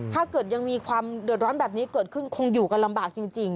ถ้าเกิดยังมีความเดือดร้อนแบบนี้เกิดขึ้นคงอยู่กันลำบากจริง